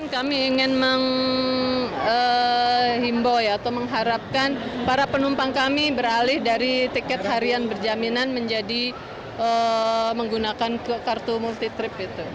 kami ingin mengharapkan para penumpang kami beralih dari tiket harian berjaminan menjadi menggunakan kartu multitrip